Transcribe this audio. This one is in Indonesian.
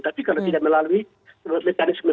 tapi kalau tidak melalui mekanisme